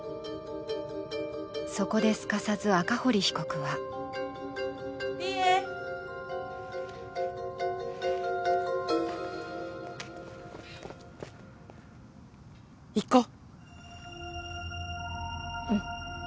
そこで、すかさず赤堀被告は利恵、行こう。